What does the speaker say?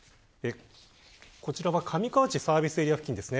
こちらは上河内サービスエリア付近です。